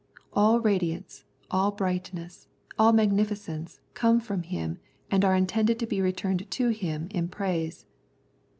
All radiance, all brightness, all magnificence come from Him and are intended to be returned to Him in praise.